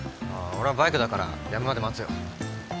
俺はバイクだからやむまで待つよ。